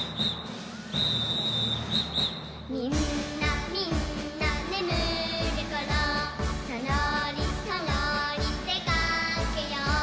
「みんなみんなねむるころそろりそろりでかけよう」